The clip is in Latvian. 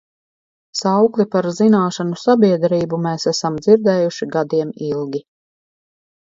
Saukli par zināšanu sabiedrību mēs esam dzirdējuši gadiem ilgi.